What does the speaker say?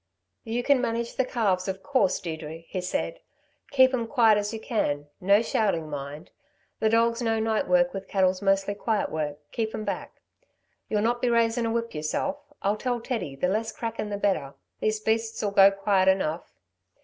"You can manage the calves, of course, Deirdre," he said. "Keep 'm quiet as you can. No shouting, mind. The dogs know night work with cattle's mostly quiet work keep 'm back. You'll not be raising a whip yourself. I'll tell Teddy, the less crackin' the better. These beasts'll go quiet enough."